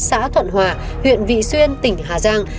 xã thuận hòa huyện vị xuyên tỉnh hà giang